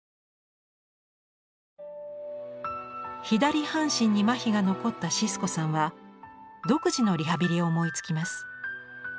左半身にまひが残ったシスコさんは独自のリハビリを思いつきます。